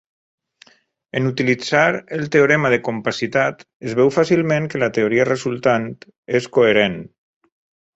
En utilitzar el teorema de compacitat, es veu fàcilment que la teoria resultant és coherent.